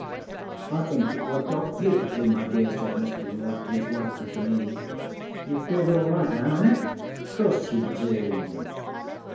"I think it went off beautifully, my dear," said Mr. M'Leod to his wife; and to me: "You feel all right now, ain't it? Of course you do."